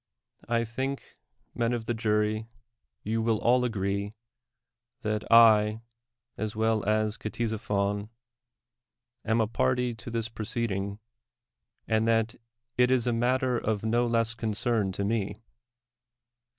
I think, men of the jury, you will all agree that I, as well as Ctesiphon, am a party to this proceeding, and that it is a matter of no less con cern to me.